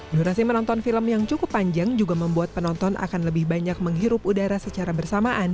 durasi menonton film yang cukup panjang juga membuat penonton akan lebih banyak menghirup udara secara bersamaan